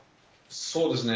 そうですね。